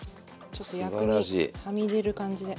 ちょっと薬味はみ出る感じで。